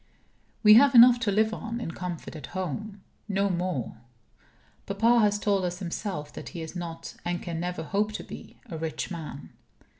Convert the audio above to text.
We have enough to live on in comfort at home no more. Papa has told us himself that he is not (and can never hope to be) a rich man.